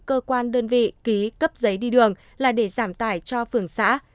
cơ quan đơn vị ký cấp giấy đi đường là để giảm tải cho phường xã